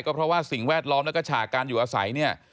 ก็เพราะว่าสิ่งแวดล้อมและกระฉาการอยู่อาศัย